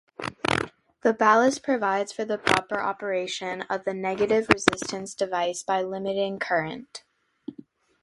The ballast provides for the proper operation of the negative-resistance device by limiting current.